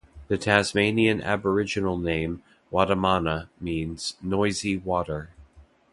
The Tasmanian Aboriginal name "waddamana" means 'noisy water'.